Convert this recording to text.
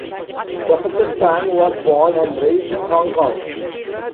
Professor Chang was born and raised in Hong Kong.